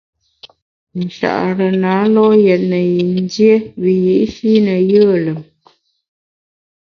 Nchare na lo’ yètne yin dié wiyi’shi ne yùe lùm.